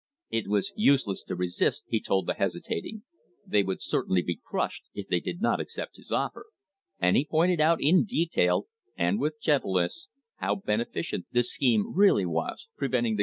It was useless to resist, he told the hesitat ng; they would certainly be crushed if they did not accept is offer, and he pointed out in detail, and with gentleness, ow beneficent the scheme really was — preventing the creek * See Appendix, Number 6.